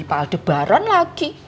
pak aldebaran lagi